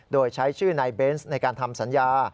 โดยใช้ชื่อนายเบนส์ในการทำสัญญา